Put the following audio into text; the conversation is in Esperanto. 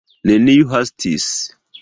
Neniu hastis.